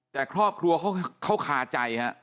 แต่ครอบครัวเขาขาใจครับ